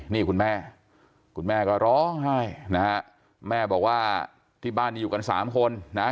นี่คุณแม่คุณแม่ก็ร้องไห้นะฮะแม่บอกว่าที่บ้านนี้อยู่กันสามคนนะฮะ